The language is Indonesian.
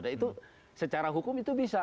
nah itu secara hukum itu bisa